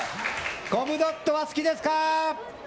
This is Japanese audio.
コムドットは好きですか？